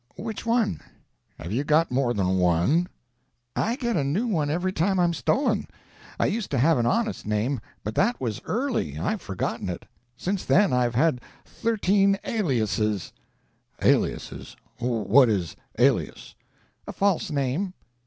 "Which one?" "Have you got more than one?" "I get a new one every time I'm stolen. I used to have an honest name, but that was early; I've forgotten it. Since then I've had thirteen aliases." "Aliases? What is alias?" "A false name."